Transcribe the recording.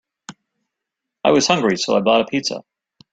I was hungry, so I bought a pizza.